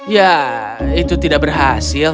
ya itu tidak berhasil